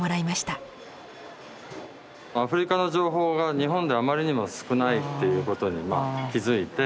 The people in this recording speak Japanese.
アフリカの情報が日本ではあまりにも少ないということに気付いて